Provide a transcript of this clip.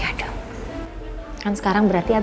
aku sih kontrakin rumah gratis